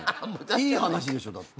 いい話でしょだって。